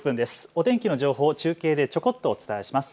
お天気の情報を中継でちょこっとお伝えします。